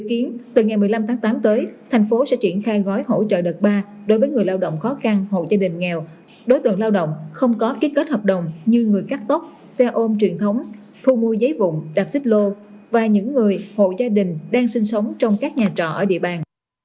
dự kiến từ ngày một mươi năm tháng tám tới thành phố sẽ triển khai gói hỗ trợ đợt ba đối với người lao động khó khăn hộ gia đình nghèo đối tượng lao động không có ký kết hợp đồng như người cắt tóc xe ôm truyền thống thu mua giấy vụn đạp xích lô và những người hộ gia đình đang sinh sống trong các nhà trọ ở địa bàn